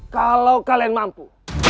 kalau kalian mampu